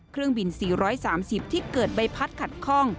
เครื่องบิน๔๓๐ที่เกิดใบพัดขัดข้อง